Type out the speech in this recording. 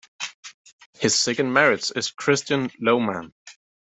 His second marriage is to Kristen Lowman.